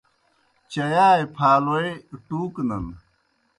چیائے پھالوئے ٹُوکنَن۔